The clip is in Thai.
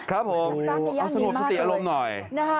ครับผมเอาสงบสติอารมณ์หน่อย